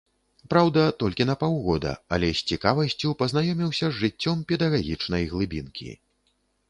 Праўда, толькі на паўгода, але з цікавасцю пазнаёміўся з жыццём педагагічнай глыбінкі.